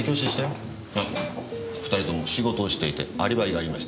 あ２人とも仕事をしていてアリバイがありましたし。